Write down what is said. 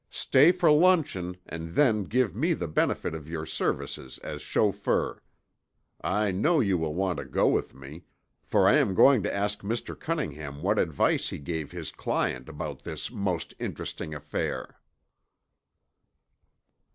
Stay for luncheon and then give me the benefit of your services as chauffeur. I know you will want to go with me, for I am going to ask Mr. Cunningham what advice he gave his client about this most interesting affair."